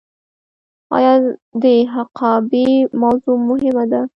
آیا د حقابې موضوع مهمه ده؟